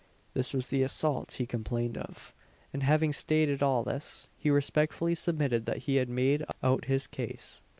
This was the "assault" he complained of; and having stated all this, he respectfully submitted that he had made out his case.